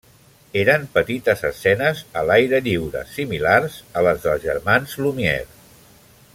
Eren petites escenes a l'aire lliure, similars a les dels germans Lumière.